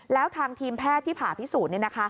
แล้วทางทีมแพทย์ที่ผ่าพิสูจน์